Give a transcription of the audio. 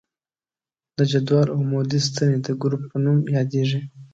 د جدول عمودي ستنې د ګروپ په نوم یادیږي.